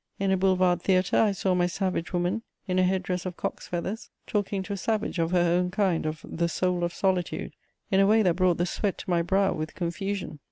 In a boulevard theatre, I saw my savage woman, in a headdress of cock's feathers, talking to a savage of her own kind of "the soul of solitude," in a way that brought the sweat to my brow with confusion.